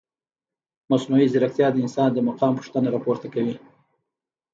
مصنوعي ځیرکتیا د انسان د مقام پوښتنه راپورته کوي.